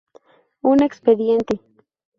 Un expediente".